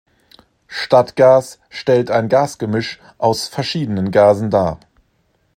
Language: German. Stadtgas stellt ein Gasgemisch aus verschiedenen Gasen dar.